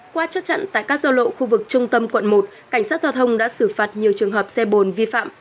qua chất chặn tại các giao lộ khu vực trung tâm quận một cảnh sát giao thông đã xử phạt nhiều trường hợp xe bồn vi phạm